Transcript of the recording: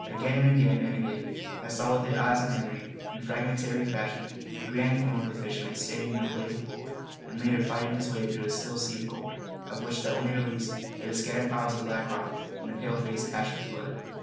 Again, and again, and again, I saw with the eyes of memory, in fragmentary fashion, the grand form of the fisherman standing in a blaze of gold, and later fighting his way through a still sea of gold, of which the only reliefs were the scattered piles of black rock and the pale face patched with blood.